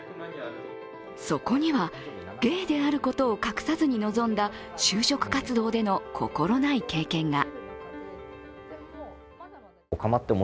そこには、ゲイであることを隠さずに臨んだ就職活動での心ない経験が。